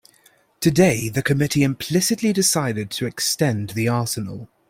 Today the committee implicitly decided to extend the arsenal.